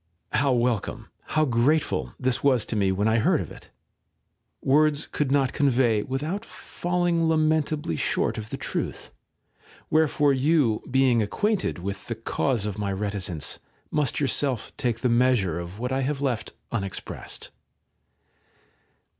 How welcome, how grateful this was to me when I heard of it, words could not convey without falling lamentably short of the truth ; wherefore you, being acquainted with the cause of my reticence, must yourself take the measure of what I have left unexpressed.